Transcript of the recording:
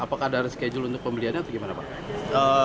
apakah ada reschedule untuk pembeliannya atau gimana pak